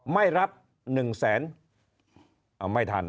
๒๔๔๑๒๘ไม่รับ๑แสนเอาไม่ทัน